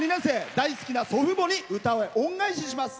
大好きな祖父母に歌で恩返しします。